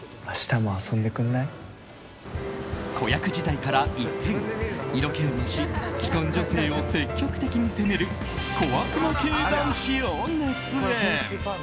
子役時代から一転既婚女性を積極的に攻める小悪魔系男子を熱演。